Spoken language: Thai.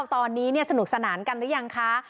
ตอนนี้สนุกสนานกันหรือยังคะ